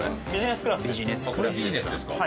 これビジネスですか？